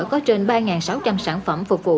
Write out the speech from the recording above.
có trên ba sáu trăm linh sản phẩm phục vụ